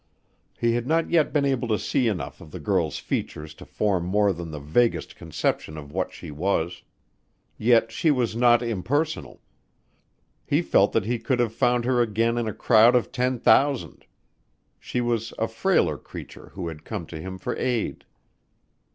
He had not yet been able to see enough of the girl's features to form more than the vaguest conception of what she was. Yet she was not impersonal; he felt that he could have found her again in a crowd of ten thousand. She was a frailer creature who had come to him for aid.